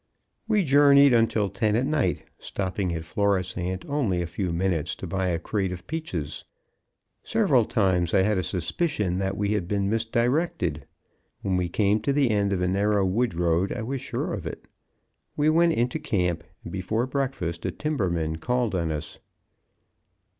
We journeyed until ten at night, stopping at Florisant only a few minutes to buy a crate of peaches. Several times I had a suspicion that we had been misdirected. When we came to the end of a narrow wood road I was sure of it. We went into camp, and before breakfast a timberman called on us.